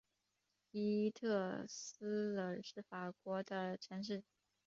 伊斯特尔是法国的城市。